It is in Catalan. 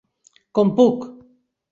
Com puc.